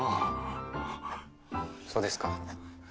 そうですか。